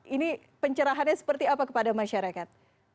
ini pencerahannya seperti apa kepada masyarakat